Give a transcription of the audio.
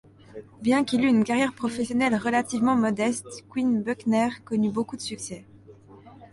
Bien qu'il eût une carrière professionnelle relativement modeste, Quinn Buckner connut beaucoup de succès.